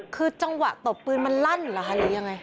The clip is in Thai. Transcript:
คือจังหวะตบปืนมันลั่นเหรอคะหรือยังไง